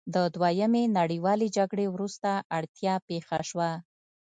د دویمې نړیوالې جګړې وروسته اړتیا پیښه شوه.